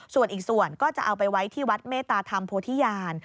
ส่วนอีกส่วนก็จะเอาไปไว้ที่วัดเมตตาธรรมโพธิญาณ